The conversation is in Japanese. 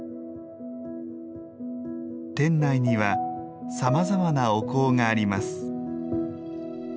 店内にはさまざまなお香があります。